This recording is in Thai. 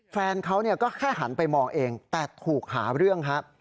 แฟนเขาก็แค่หันไปมองเองแต่ถูกหาเรื่องครับ